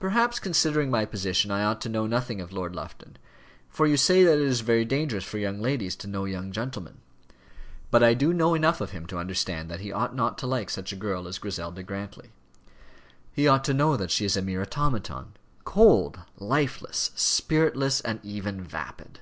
"Perhaps, considering my position, I ought to know nothing of Lord Lufton, for you say that it is very dangerous for young ladies to know young gentlemen. But I do know enough of him to understand that he ought not to like such a girl as Griselda Grantly. He ought to know that she is a mere automaton, cold, lifeless, spiritless, and even vapid.